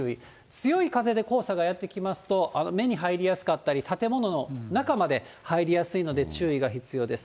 強い風で黄砂がやって来ますと、目に入りやすかったり、建物の中まで入りやすいので注意が必要です。